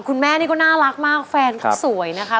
คุณแม่นี่ก็น่ารักมากแฟนก็สวยนะคะ